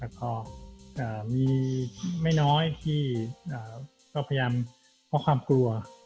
แต่พอมีไม่น้อยที่ก็พยายามเพราะความกลัว